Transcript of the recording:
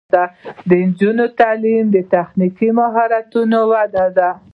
د نجونو تعلیم د تخنیکي مهارتونو وده ده.